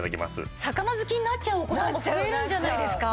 魚好きになっちゃうお子さんも増えるんじゃないですか？